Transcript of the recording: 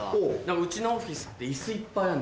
うちのオフィスって椅子いっぱいあんじゃん。